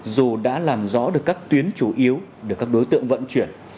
dù đã làm rõ được các tuyến chủ yếu được các đối tượng vận chuyển